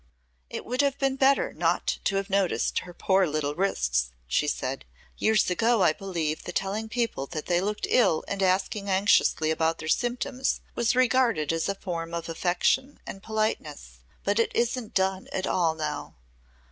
"It would have been better not to have noticed her poor little wrists," she said. "Years ago I believe that telling people that they looked ill and asking anxiously about their symptoms was regarded as a form of affection and politeness, but it isn't done at all now."